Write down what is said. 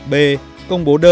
b công bố đơn